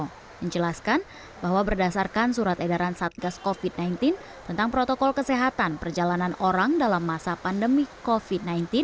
menjelaskan bahwa berdasarkan surat edaran satgas covid sembilan belas tentang protokol kesehatan perjalanan orang dalam masa pandemi covid sembilan belas